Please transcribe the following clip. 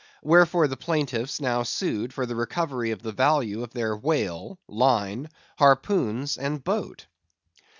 Wherefore the plaintiffs now sued for the recovery of the value of their whale, line, harpoons, and boat.